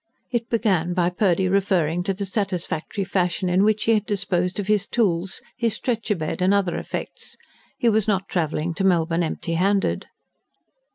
It began by Purdy referring to the satisfactory fashion in which he had disposed of his tools, his stretcher bed, and other effects: he was not travelling to Melbourne empty handed.